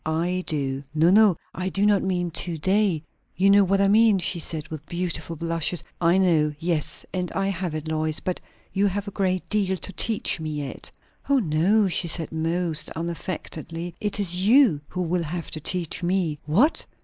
I do!" "No, no; I do not mean to day. You know what I mean!" she said, with beautiful blushes. "I know. Yes, and I have it, Lois. But you have a great deal to teach me yet." "O no!" she said most unaffectedly. "It is you who will have to teach me." "What?"